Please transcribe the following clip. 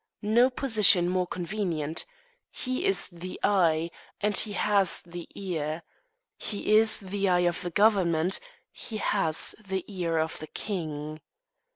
No position more convenient. He is the eye, and has the ear. He is the eye of the government; he has the ear of the king.